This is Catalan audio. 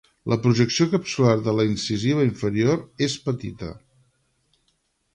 La projecció capsular de la incisiva inferior és petita.